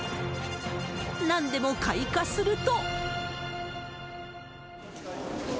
なんでも、開花すると。